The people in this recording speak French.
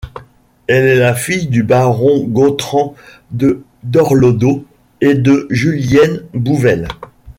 Elle est la fille du baron Gontran de Dorlodot et de Julienne Bouvelle.